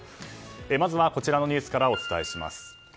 まずはこちらのニュースからお伝えします。